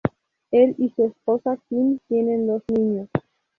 Él y su esposa Kim tienen dos niños.